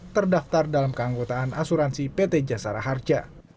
terdaftar dalam keanggotaan asuransi pt jasara harja